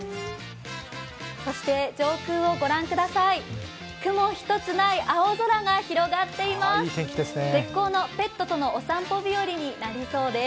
そして上空を御覧ください、雲一つない青空が広がっています。